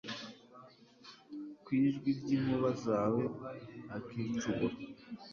ku ijwi ry’inkuba zawe akicubura